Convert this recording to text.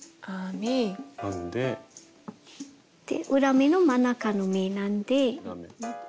で裏目の真ん中の目なんで。